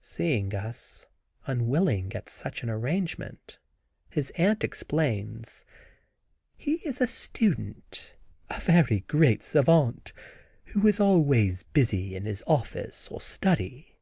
Seeing us unwilling at such an arrangement, his aunt explains: "He is a student, a very great savant, who is always busy in his office or study."